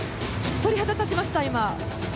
鳥肌が立ちました！